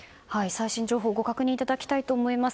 最新情報をご確認いただきたいと思います。